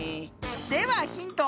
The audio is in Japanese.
ではヒント。